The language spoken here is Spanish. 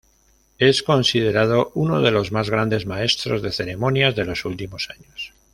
Es considerado uno de los más grandes maestros de ceremonias de los últimos años.